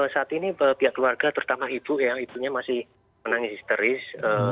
saat ini pihak keluarga terutama ibu ya ibunya masih menangis histeris